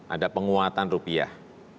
ada penguatan rupiah